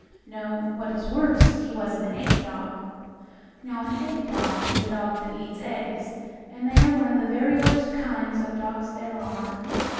No, what is worse, he was an egg dog. Now an egg dog is a dog that eats eggs, and they are one of the very worst kinds of dogs there are.